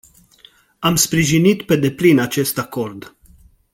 Am sprijinit pe deplin acest acord.